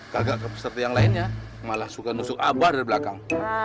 kagak seperti yang lainnya malah suka nusuk abah dari belakang